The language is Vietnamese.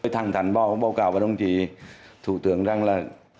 thẳng thẳng bỏ báo cáo vào đồng chí thủ tướng rằng là